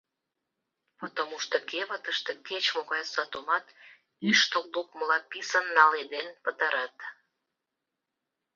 Потомушто кевытыште кеч-могай сатумат ӱштыл лукмыла писын наледен пытарат.